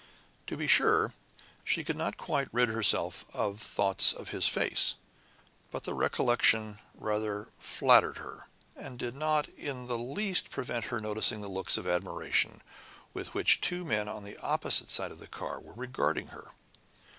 To be sure, she could not quite rid herself of thoughts of his face, but the recollection rather flattered her, and did not in the least prevent her noticing the looks of admiration with which two men on the opposite side of the car were regarding her.